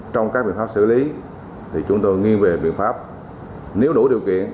trong các biện pháp xử lý thì chúng tôi nghiêng về biện pháp nếu đủ điều kiện